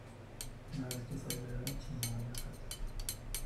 Una vez que fue liberado, se mudó a Yakarta.